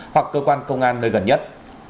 hoặc cơ quan công an nơi gần nhất